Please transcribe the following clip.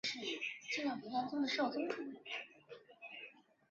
绑匪幕后主脑又到底是谁？